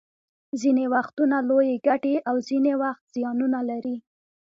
ځینې وختونه لویې ګټې او ځینې وخت زیانونه لري